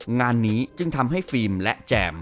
งานนี้จึงทำให้ฟิล์มและแจม